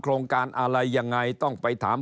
โครงการอะไรยังไงต้องไปถาม